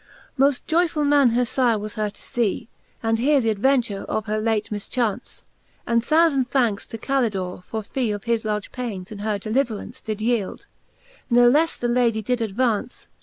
XIX. Moft joyfull man her fire was her to fee, And heare th'ad venture of her late mifchauncej And thoufand thankes to Cal'tdors for fee Of his large paines in her deliveraunce Did yeeld: ne lefle the Lady did advaunce.